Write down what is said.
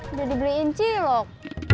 udah dibeliin cilok